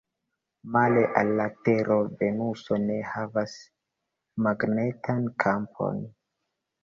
Male al la Tero, Venuso ne havas magnetan kampon.